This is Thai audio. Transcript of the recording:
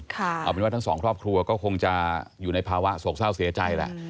เอาเป็นว่าทั้งสองครอบครัวก็คงจะอยู่ในภาวะโศกเศร้าเสียใจแหละ